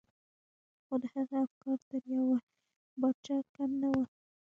خو د هغه افکار تر يوه پاچا کم نه وو.